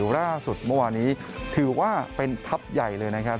ล่าสุดเมื่อวานี้ถือว่าเป็นทัพใหญ่เลยนะครับ